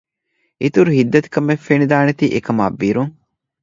އިތުރު ހިތްދަތިކަމެއް ފެނިދާނެތީ އެކަމާ ބިރުން